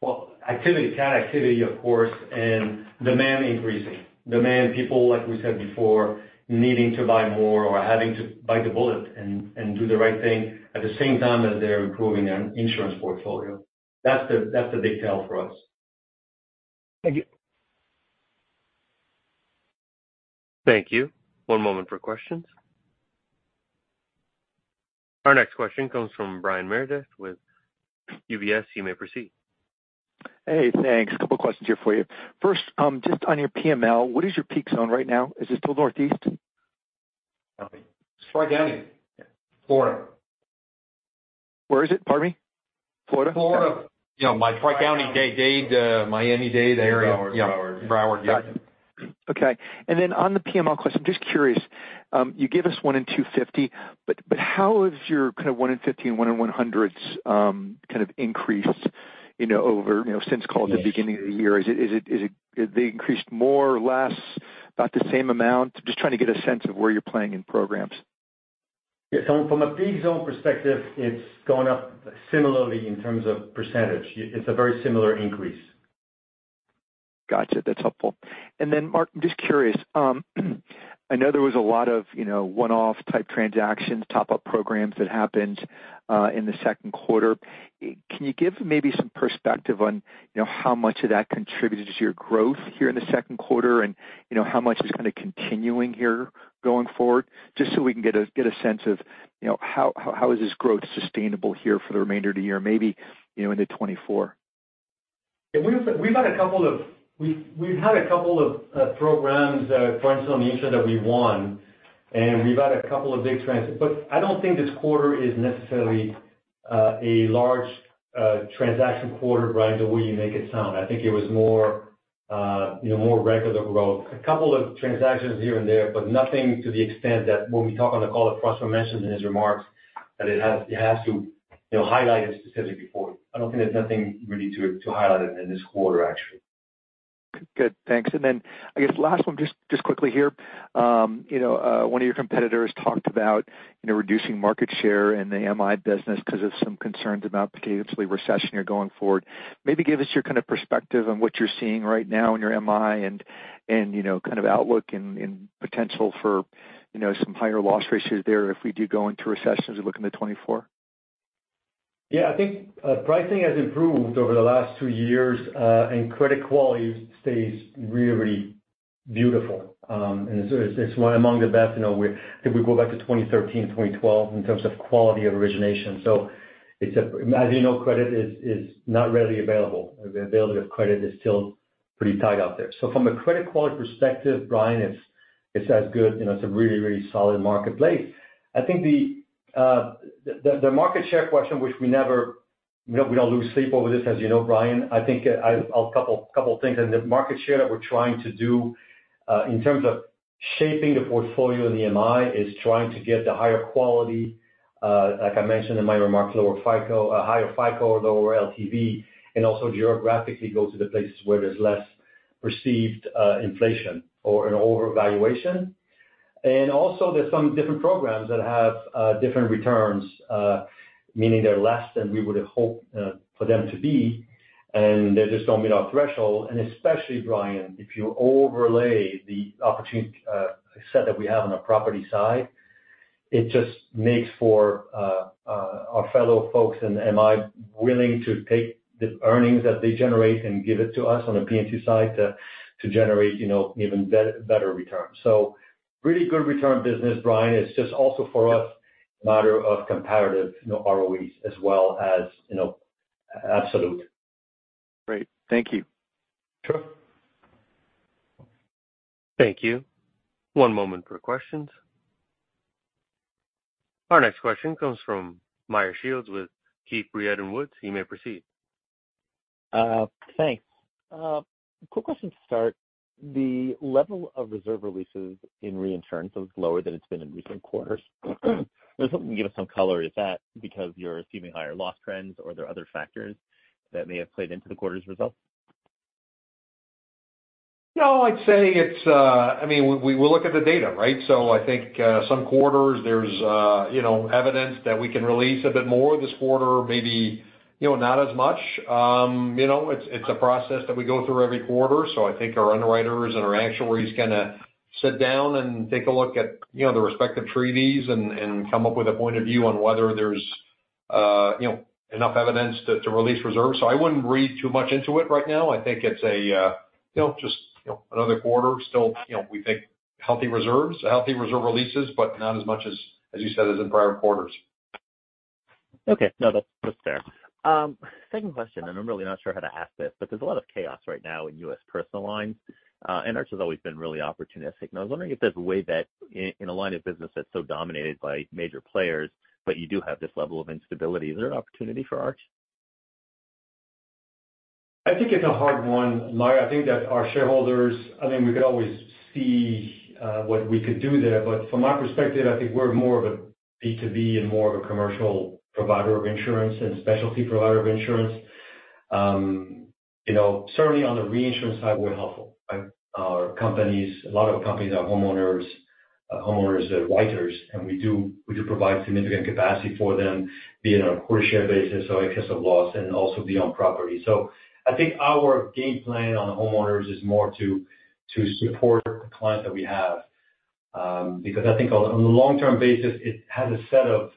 Well, activity, cat activity, of course, and demand increasing. Demand, people, like we said before, needing to buy more or having to bite the bullet and do the right thing at the same time as they're improving their insurance portfolio. That's the big tell for us. Thank you. Thank you. One moment for questions. Our next question comes from Brian Meredith with UBS. You may proceed. Hey, thanks. A couple questions here for you. First, just on your PML, what is your peak zone right now? Is it still Northeast? It's Flagler County, Florida. Where is it? Pardon me. Florida? Florida. You know, by Flagler County, Dade, Miami-Dade area. Broward. Broward, got it. Okay. Then on the PML question, I'm just curious, you gave us 1 in 250, but how has your kind of 1 in 50 and 1 in 100s kind of increased, you know, over, you know, since, call it, the beginning of the year? Is it they increased more or less, about the same amount? Just trying to get a sense of where you're playing in programs. Yeah, from a peak zone perspective, it's gone up similarly in terms of %. It's a very similar increase. Gotcha, that's helpful. Marc, just curious, I know there was a lot of, you know, one-off type transactions, top-up programs that happened in the Q2. Can you give maybe some perspective on, you know, how much of that contributed to your growth here in the Q2, and, you know, how much is kind of continuing here going forward? Just so we can get a sense of, you know, how, how is this growth sustainable here for the remainder of the year, maybe, you know, into 2024. Yeah, we've had a couple of programs, for instance, on the issue that we won. We've had a couple of big trends, but I don't think this quarter is necessarily a large transaction quarter, Brian, the way you make it sound. I think it was more, you know, more regular growth. A couple of transactions here and there, but nothing to the extent that when we talk on the call, as François mentioned in his remarks, that it has to, you know, highlight a specific report. I don't think there's nothing really to highlight in this quarter, actually. Good. Thanks. I guess the last one, just quickly here. You know, one of your competitors talked about, you know, reducing market share in the MI business because of some concerns about potentially recession here going forward. Maybe give us your kind of perspective on what you're seeing right now in your MI and, you know, kind of outlook and potential for, you know, some higher loss ratios there if we do go into recession as we look into 2024? Yeah, I think pricing has improved over the last 2 years, and credit quality stays really, really beautiful. It's one among the best, you know, if we go back to 2013, 2012, in terms of quality of origination. As you know, credit is not readily available. The availability of credit is still pretty tight out there. From a credit quality perspective, Brian, it's as good, you know, it's a really, really solid marketplace. I think the market share question, which we never, you know, we don't lose sleep over this, as you know, Brian. I think a couple of things. In the market share that we're trying to do, in terms of shaping the portfolio in the MI, is trying to get the higher quality, like I mentioned in my remarks, lower FICO, a higher FICO or lower LTV, and also geographically go to the places where there's less perceived inflation or an overvaluation. Also, there's some different programs that have different returns, meaning they're less than we would have hoped for them to be, and they just don't meet our threshold. Especially, Brian, if you overlay the opportunity set that we have on the property side, it just makes for our fellow folks in MI willing to take the earnings that they generate and give it to us on a P&C side to generate, you know, even better returns. Pretty good return business, Brian. It's just also for us, a matter of comparative, you know, ROEs as well as, you know, absolute. Great. Thank you. Sure. Thank you. One moment for questions. Our next question comes from Meyer Shields with Keefe, Bruyette & Woods. You may proceed. Thanks. Quick question to start. The level of reserve releases in reinsurance is lower than it's been in recent quarters. I was hoping you could give us some color. Is that because you're assuming higher loss trends, or are there other factors that may have played into the quarter's results? I'd say it's, I mean, we look at the data, right? I think some quarters there's, you know, evidence that we can release a bit more. This quarter, maybe, you know, not as much. You know, it's a process that we go through every quarter. I think our underwriters and our actuaries kind of sit down and take a look at, you know, the respective treaties and come up with a point of view on whether there's, you know, enough evidence to release reserves. I wouldn't read too much into it right now. I think it's a, you know, just, you know, another quarter still. You know, we think healthy reserves, healthy reserve releases, but not as much as you said, as in prior quarters. Okay. No, that's, that's fair. Second question, I'm really not sure how to ask this, but there's a lot of chaos right now in US personal lines. Arch has always been really opportunistic. I was wondering if there's a way that in, in a line of business that's so dominated by major players, but you do have this level of instability, is there an opportunity for Arch? I think it's a hard one, Meyer. I think that our shareholders, I mean, we could always see what we could do there, but from my perspective, I think we're more of a B2B and more of a commercial provider of insurance and specialty provider of insurance. You know, certainly on the reinsurance side, we're helpful. Our companies, a lot of companies are homeowners, homeowners are writers, and we do provide significant capacity for them, be it on a per share basis or excess of loss and also beyond property. I think our game plan on homeowners is more to support the clients that we have, because I think on the long-term basis, it has a set of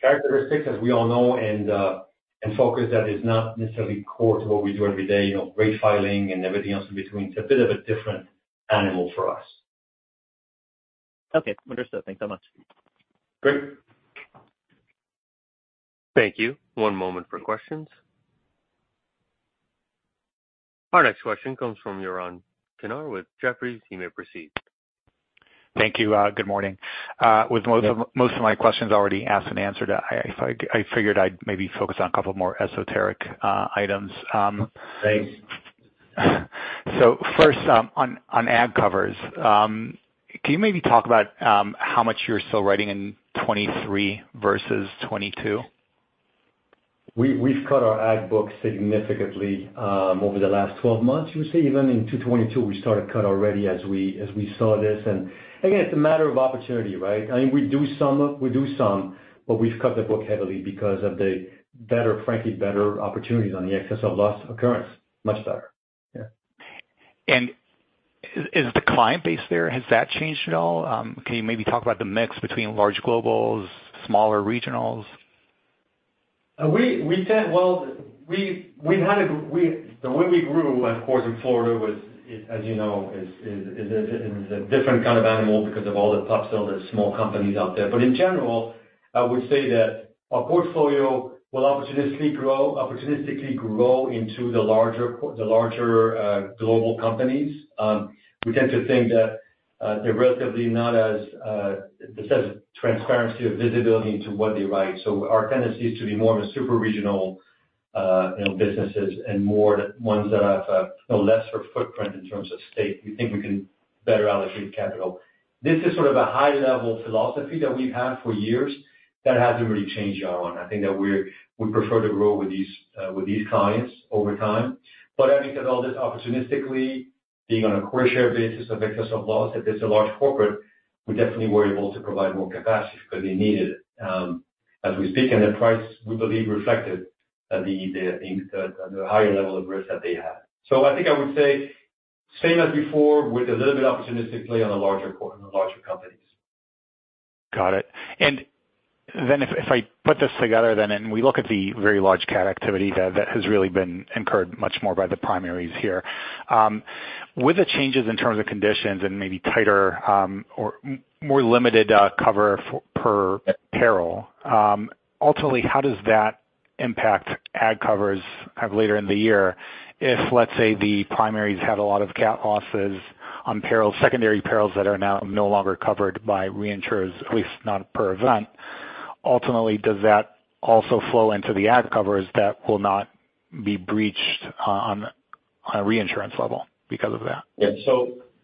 characteristics, as we all know, and focus that is not necessarily core to what we do every day, you know, rate filing and everything else in between. It's a bit of a different animal for us. Okay, understood. Thanks so much. Great. Thank you. One moment for questions. Our next question comes from Yaron Kinar with Jefferies. You may proceed. Thank you. Good morning. With most of my questions already asked and answered, I figured I'd maybe focus on a couple more esoteric items. Thanks. First, on agg covers. Can you maybe talk about how much you're still writing in 23 versus 22? We've cut our agg book significantly, over the last 12 months. You would say even in 2022, we started cut already as we saw this. Again, it's a matter of opportunity, right? I think we do some, we've cut the book heavily because of the better, frankly, better opportunities on the excess of loss occurrence. Much better, yeah. Is the client base there, has that changed at all? Can you maybe talk about the mix between large globals, smaller regionals? We said, well, we've had a. The way we grew, of course, in Florida was, as you know, is, is a, is a different kind of animal because of all the pops of the small companies out there. In general. I would say that our portfolio will opportunistically grow into the larger, global companies. We tend to think that they're relatively not as, there's less transparency or visibility into what they write. Our tendency is to be more of a super regional, you know, businesses and more ones that have a lesser footprint in terms of state. We think we can better allocate capital. This is sort of a high level philosophy that we've had for years, that hasn't really changed, Yaron. I think that we prefer to grow with these, with these clients over time. I think that all this opportunistically, being on a core share basis of excess of loss, if it's a large corporate, we definitely were able to provide more capacity because they needed it, as we speak, and the price, we believe, reflected the, I think, the higher level of risk that they had. I think I would say same as before, with a little bit opportunistically on the larger companies. Got it. If I put this together then, and we look at the very large cat activity that has really been incurred much more by the primaries here. With the changes in terms of conditions and maybe tighter, or more limited, cover for per peril, ultimately, how does that impact agg covers kind of later in the year? If, let's say, the primaries had a lot of cat losses on perils, secondary perils that are now no longer covered by reinsurers, at least not per event, ultimately, does that also flow into the agg covers that will not be breached on a reinsurance level because of that?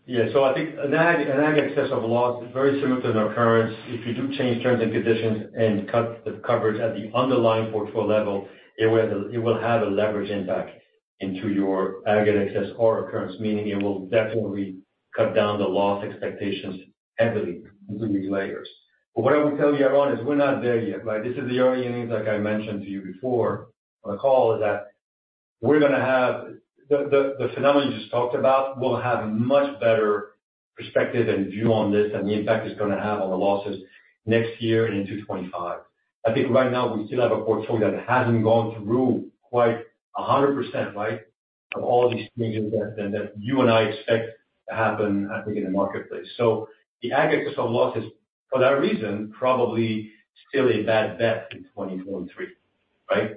I think an agg excess of loss is very similar to an occurrence. If you do change terms and conditions and cut the coverage at the underlying portfolio level, it will have a leverage impact into your agg excess or occurrence, meaning it will definitely cut down the loss expectations heavily through these layers. What I will tell you, Yaron, is we're not there yet, right? This is the early innings, like I mentioned to you before on the call, is that we're gonna have. The phenomenon you just talked about, we'll have a much better perspective and view on this and the impact it's gonna have on the losses next year and into 2025. I think right now we still have a portfolio that hasn't gone through quite 100%, right, of all these things that, that, that you and I expect to happen, I think, in the marketplace. The agg excess of losses, for that reason, probably still a bad bet in 2023, right?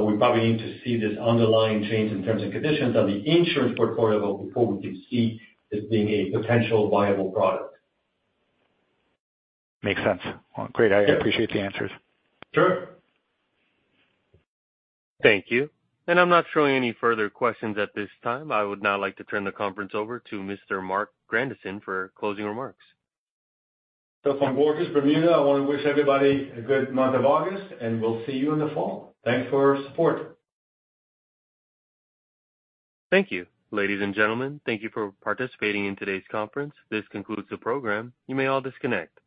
We probably need to see this underlying change in terms and conditions on the insurance portfolio before we can see this being a potential viable product. Makes sense. Well, great, I appreciate the answers. Sure. Thank you. I'm not showing any further questions at this time. I would now like to turn the conference over to Mr. Marc Grandisson for closing remarks. From Bermuda, I want to wish everybody a good month of August, and we'll see you in the fall. Thanks for your support. Thank you. Ladies and gentlemen, thank you for participating in today's conference. This concludes the program. You may all disconnect.